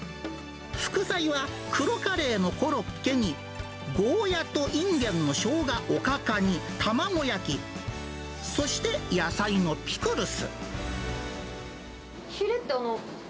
副菜は黒カレーのコロッケに、ゴーヤとインゲンのショウガおかか煮、卵焼き、そして野菜のピクヒレってあの？